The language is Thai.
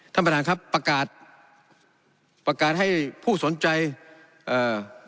ท่านประธานครับประกาศประกาศให้ผู้สนใจเอ่อ